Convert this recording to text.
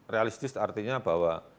realistis artinya bahwa